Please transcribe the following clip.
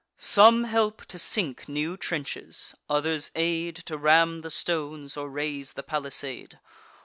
Some help to sink new trenches; others aid To ram the stones, or raise the palisade.